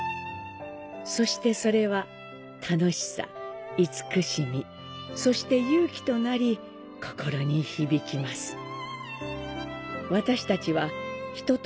そしてそれは、楽しさ、慈しみ、そして勇気となり心に響きます。